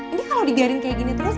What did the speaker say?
ini kalau dibiarin kayak gini terus